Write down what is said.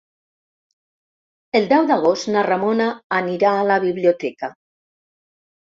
El deu d'agost na Ramona anirà a la biblioteca.